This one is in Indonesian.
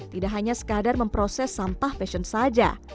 tidak hanya sekadar memproses sampah fashion saja